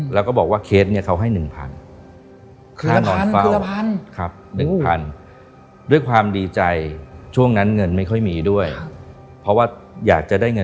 แล้วก็บอกว่าเคสเนี่ยเขาให้หนึ่งพัน